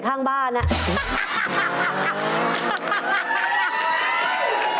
เปลี่ยนตัวเองกันสิเปลี่ยนตัวเองกันสิ